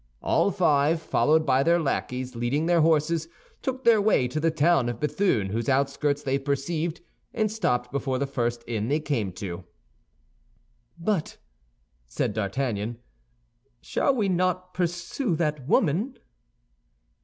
All five, followed by their lackeys leading their horses, took their way to the town of Béthune, whose outskirts they perceived, and stopped before the first inn they came to. "But," said D'Artagnan, "shall we not pursue that woman?"